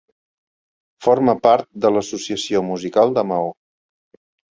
Forma part de l'Associació Musical de Maó.